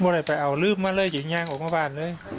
ไม่ได้ไปเอาลืมมาเลยจักรยานออกมาบ้านเลย